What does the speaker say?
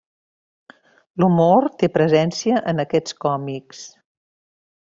L'humor té presència en aquests còmics.